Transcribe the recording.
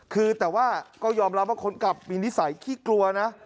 คือแต่ว่าก็ยอมรับว่าคนขับมีนิสัยขี้กลัวนะ